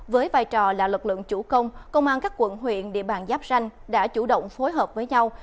với vai trò là lực lượng chủ công công an các quận huyện địa bàn giáp ranh đã chủ động phối hợp với nhau